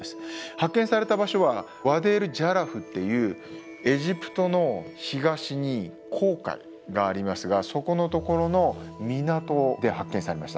発見された場所はワディ・エル＝ジャラフっていうエジプトの東に紅海がありますがそこのところの港で発見されました。